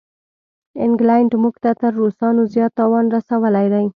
انګلینډ موږ ته تر روسانو زیات تاوان رسولی دی.